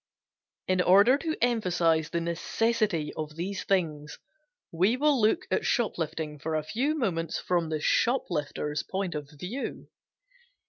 In order to emphasize the necessity of these things, we will look at shoplifting for a few moments from the shoplifter's point of view.